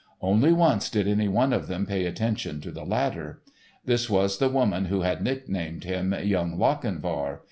Only once did any one of them pay attention to the latter. This was the woman who had nicknamed him "Young Lochinvar."